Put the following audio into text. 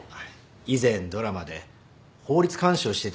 以前ドラマで法律監修をしていただいて。